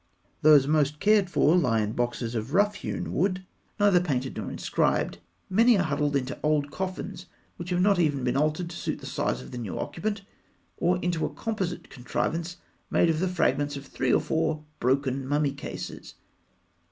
Those most cared for lie in boxes of rough hewn wood, neither painted nor inscribed. Many are huddled into old coffins which have not even been altered to suit the size of the new occupant, or into a composite contrivance made of the fragments of three or four broken mummy cases.